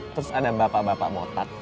terus ada bapak bapak motak